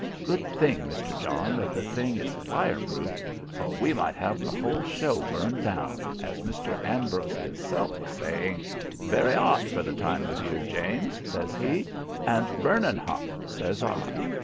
Good thing, Mr. John, that the thing is fire proof, or we might have the whole show burned down, as Mr. Ambrose hisself was saying. 'Very 'ot for the time of year, James,' says he, and 'burnin, 'ot,' says I.